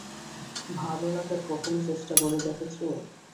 ভালো লাগার কখনো চেষ্টা করে দেখেছো?